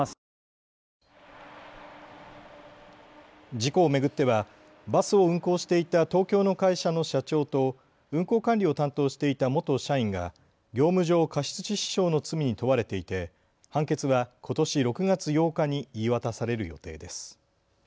事故を巡ってはバスを運行していた東京の会社の社長と運行管理を担当していた元社員が業務上過失致死傷の罪に問われていて判決はことし６月８日に言い渡される予定です。